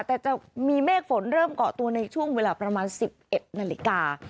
แต่จะมีเมฆฝนเริ่มเกาะตัวในช่วงเวลาประมาณ๑๑นาฬิกา